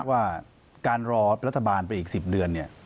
ว่าการรอรัฐบาลไปอีก๑๐เดือน